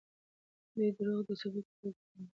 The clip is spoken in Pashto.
دوی دروغ د ثبوت په توګه وړاندې کوي.